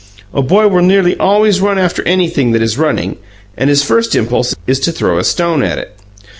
A boy will nearly always run after anything that is running, and his first impulse is to throw a stone at it.